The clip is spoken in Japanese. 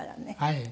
はい。